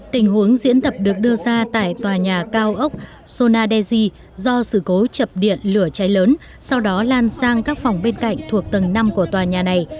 tình huống diễn tập được đưa ra tại tòa nhà cao ốc sonadesi do sự cố chập điện lửa cháy lớn sau đó lan sang các phòng bên cạnh thuộc tầng năm của tòa nhà này